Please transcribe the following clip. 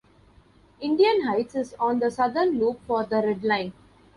Indian Heights is on the southern loop for the Red Line.